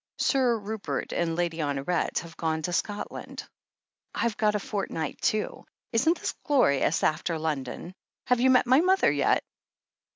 Sir Rupert and Lady Honoret have gone to Scotland." "I've got a fortnight, too. Isn't this glorious after London? Have you met my mother yet?"